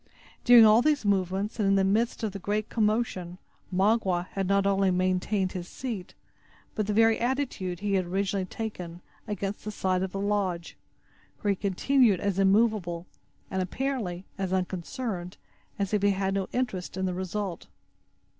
During all these movements, and in the midst of the general commotion, Magua had not only maintained his seat, but the very attitude he had originally taken, against the side of the lodge, where he continued as immovable, and, apparently, as unconcerned, as if he had no interest in the result.